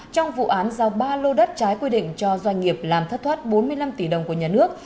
trong vụ án giao ba lô đất trái quy định cho doanh nghiệp làm thất thoát bốn mươi năm tỷ đồng của nhà nước